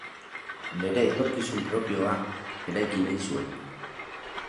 Bere etorkizun propioa eraiki nahi zuen.